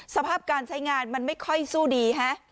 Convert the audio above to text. สภาพการใช้งานมันไม่ค่อยสู้ดีฮะ